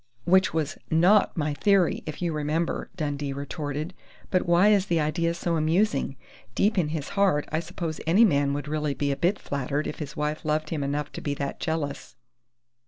"Which was not my theory, if you remember!" Dundee retorted. "But why is the idea so amusing? Deep in his heart, I suppose any man would really be a bit flattered if his wife loved him enough to be that jealous."